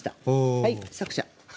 はい作者。